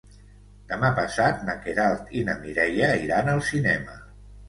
Demà passat na Queralt i na Mireia iran al cinema.